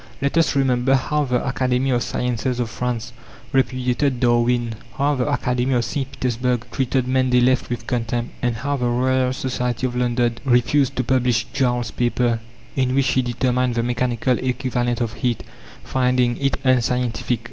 Let us remember how the Academy of Sciences of France repudiated Darwin, how the Academy of St. Petersburg treated Mendeléeff with contempt, and how the Royal Society of London refused to publish Joule's paper, in which he determined the mechanical equivalent of heat, finding it "unscientific."